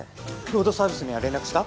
ロードサービスには連絡した？